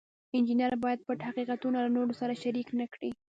انجینر باید پټ حقیقتونه له نورو سره شریک نکړي.